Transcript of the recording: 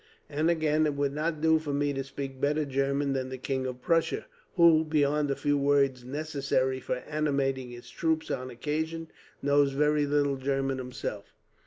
And again, it would not do for me to speak better German than the King of Prussia; who, beyond a few words necessary for animating his troops on occasion, knows very little German himself.